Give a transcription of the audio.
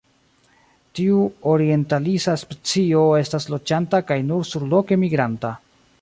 Tiu orientalisa specio estas loĝanta kaj nur surloke migranta.